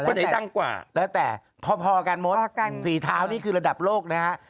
ไหนดังกว่าแล้วแต่พอกันมดฝีเท้านี่คือระดับโลกนะฮะ